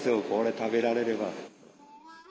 これ食べられれば。